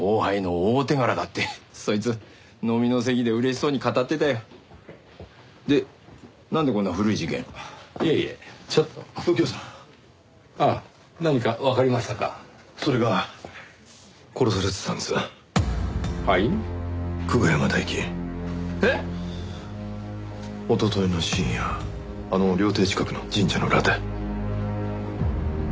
おとといの深夜あの料亭近くの神社の裏で。